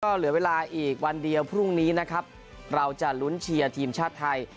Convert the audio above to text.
ก็เหลือเวลาอีกวันเดียวพรุ่งนี้นะครับเราจะลุ้นเชียร์ทีมชาติไทย